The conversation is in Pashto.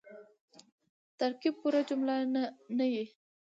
ترکیب پوره جمله نه يي.